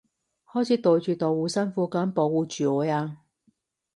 好似袋住道護身符噉保護住我啊